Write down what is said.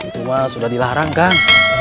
cuma sudah dilarang kan